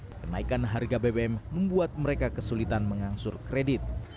kenaikan harga bbm membuat mereka kesulitan mengangsur kredit